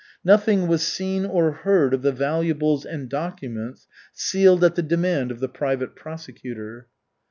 Nothing was seen or heard of the valuables and documents sealed at the demand of the private prosecutor.